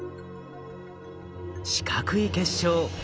四角い結晶。